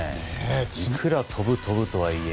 いくら飛ぶとはいえ